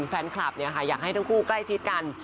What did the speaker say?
แฟนคลับอยากให้ทั้งคู่ใกล้ชิดกัน